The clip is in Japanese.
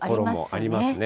ありますね。